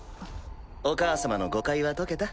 お母様の誤解は解けた？